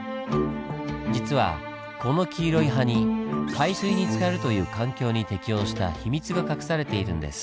じつはこの黄色い葉に海水につかるという環境に適応した秘密が隠されているんです。